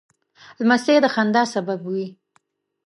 لمسی د خندا سبب وي.